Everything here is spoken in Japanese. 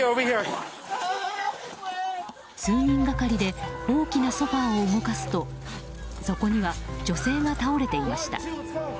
数人がかりで大きなソファを動かすとそこには女性が倒れていました。